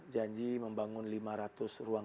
janji membangun lima ratus ruang